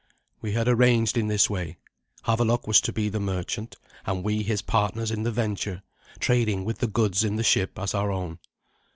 We had arranged in this way: Havelok was to be the merchant, and we his partners in the venture, trading with the goods in the ship as our own.